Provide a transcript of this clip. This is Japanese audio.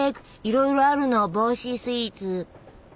いろいろあるの帽子スイーツ。